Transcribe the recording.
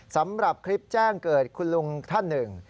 สำหรับคลิปแจ้งเกิดคุณลุงท่านหนึ่ง